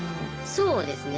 そうですね。